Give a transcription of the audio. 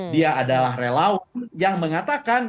dia adalah relawan yang mengatakan